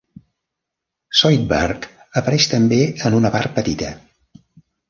Zoidberg apareix també en una part petita.